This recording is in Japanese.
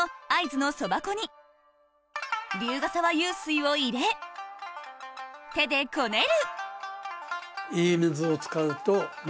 沢湧水を入れ手でこねる